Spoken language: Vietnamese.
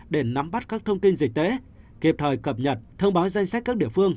để nắm bắt các thông tin dịch tễ kịp thời cập nhật thông báo danh sách các địa phương